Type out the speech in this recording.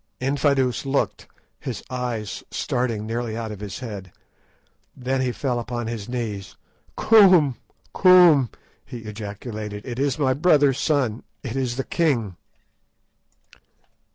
Infadoos looked, his eyes starting nearly out of his head. Then he fell upon his knees. "Koom! Koom!" he ejaculated; "it is my brother's son; it is the king."